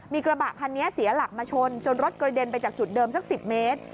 มีกระบะคันนี้เสียหลักมาชนจนรถกระเด็นไปจากจุดเดิมสัก๑๐เมตร